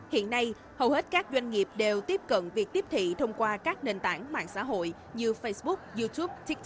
hiện nay hầu hết các doanh nghiệp đều tiếp cận việc tiếp thị thông qua các nền tảng mạng xã hội như facebook youtube tiktok